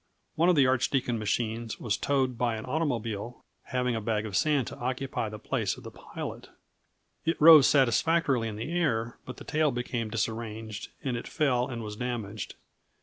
One of the Archdeacon machines was towed by an automobile, having a bag of sand to occupy the place of the pilot. It rose satisfactorily in the air, but the tail became disarranged, and it fell and was damaged.